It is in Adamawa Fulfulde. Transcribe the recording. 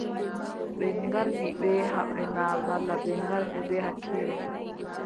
Ɓe ngardi bee haɓre na malla ɓe ngardi bee hakkiilo ?